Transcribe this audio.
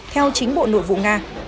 theo chính bộ nội vụ nga